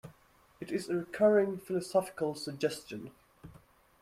It is a recurring philosophical suggestion.